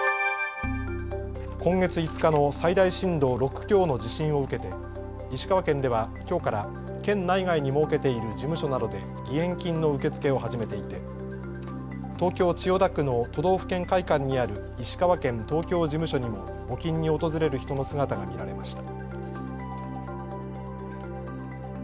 今月５日の最大震度６強の地震を受けて石川県ではきょうから県内外に設けている事務所などで義援金の受け付けを始めていて東京千代田区の都道府県会館にある石川県東京事務所にも募金に訪れる人の姿が見られました。